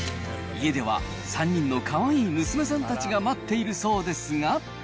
家では、３人のかわいい娘さんたちが待っているそうですが。